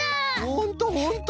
ほんとほんと！